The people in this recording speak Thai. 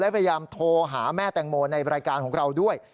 พยายามโทรหาแม่แตงโมในรายการของเราด้วย